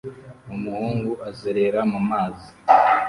Umuhungu azerera mu mazi